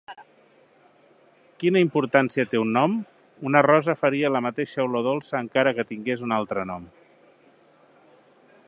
Quina importància té un nom? Una rosa faria la mateixa olor dolça encara que tingués un altre nom.